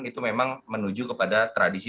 itu memang menuju kepada tradisi